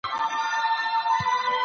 ته به په سهار کي راویښ شې.